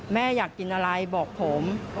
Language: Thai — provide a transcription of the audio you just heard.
แม่อยากกินอะไรบอกผม